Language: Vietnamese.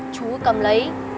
chú cầm lấy